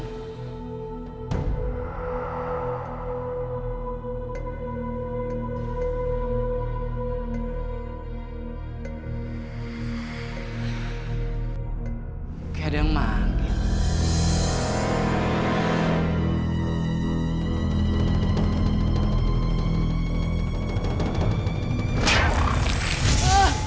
gak ada yang manggil